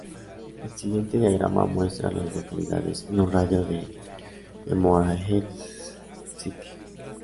El siguiente diagrama muestra a las localidades en un radio de de Morehead City.